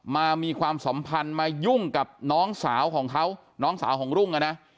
มีความสัมพันธ์มายุ่งกับน้องสาวของเขาน้องสาวของรุ่งอ่ะนะ